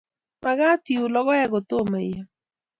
Makat iun lokoek ko toma iam